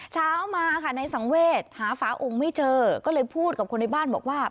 เช้ามาค่ะในสังเวศหาฝาองค์ไม่เจอก็เลยพูดกับคนในบ้านบอกว่า